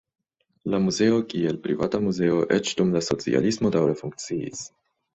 La muzeo, kiel privata muzeo, eĉ dum la socialismo daŭre funkciis.